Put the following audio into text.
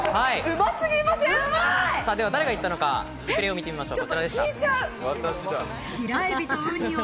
誰が言ったのかリプレーを見てみましょう。